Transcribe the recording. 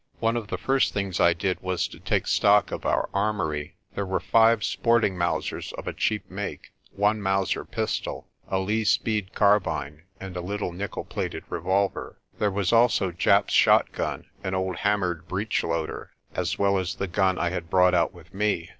One of the first things I did was to take stock of our armoury. There were five sporting Mausers of a cheap make, one Mauser pistol, a Lee Speed carbine, and a little nickel plated revolver. There was also Japp's shotgun, an old hammered breechloader, as well as the gun I had brought out with me.